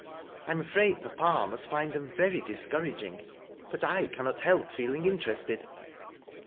I am afraid papa must find iaew. very discouraging, but I cannot help feeling interested.